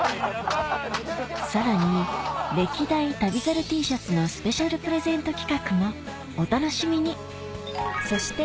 さらに歴代旅猿Ｔシャツのスペシャルプレゼント企画もお楽しみにそして